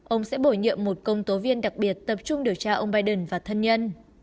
ông sẽ bổ nhiệm một công tố viên đặc biệt tập trung điều tra ông biden và thân nhân